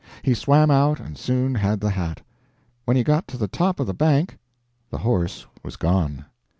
He swam out and soon had the hat. When he got to the top of the bank the horse was gone!